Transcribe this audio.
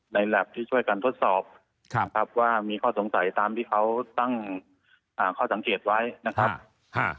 แล็บที่ช่วยกันทดสอบครับครับว่ามีข้อสงสัยตามที่เขาตั้งอ่าข้อสังเกตไว้นะครับ